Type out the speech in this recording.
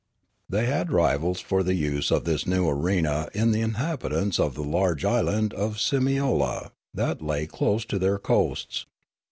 The}' had rivals for the use of this new arena in the inhabitants of the large island of Simiola, that lay close to their coasts.